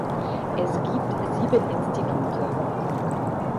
Es gibt sieben Institute.